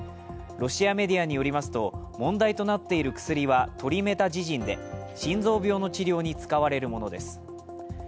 ロシアメディアによりますと、問題となっている薬はトリメタジジンで、心臓病の治療に使われるものです。